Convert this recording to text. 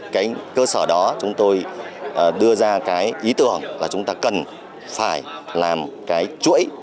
cái cơ sở đó chúng tôi đưa ra cái ý tưởng là chúng ta cần phải làm cái chuỗi